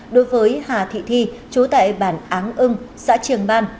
đối với hà thị thi chú tại bản áng ưng xã triềng ban